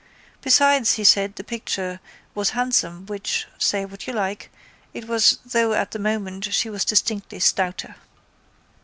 Besides he said the picture was handsome which, say what you like, it was though at the moment she was distinctly stouter.